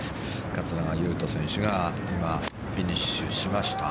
桂川有人選手がフィニッシュしました。